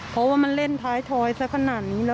เพราะว่ามันเล่นพล้ายซักขนาดนี้แล้วอ่ะ